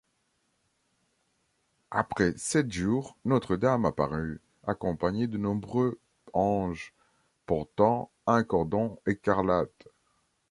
Après sept jours, Notre-Dame apparut, accompagnée de nombreux anges, portant un cordon écarlate.